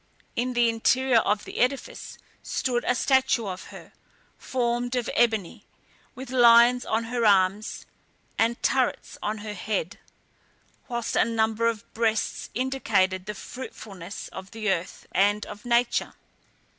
In the interior of the edifice stood a statue of her, formed of ebony, with lions on her arms and turrets on her head, whilst a number of breasts indicated the fruitfulness of the earth and of nature.